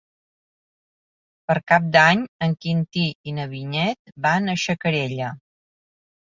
Per Cap d'Any en Quintí i na Vinyet van a Xacarella.